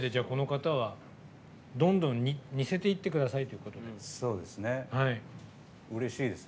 この方は、どんどん似せていってくださいということです。